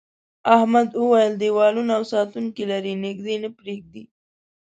احمد وویل دیوالونه او ساتونکي لري نږدې نه پرېږدي.